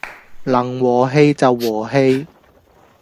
能和氣就和氣